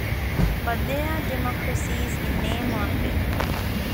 But they are democracies in name only.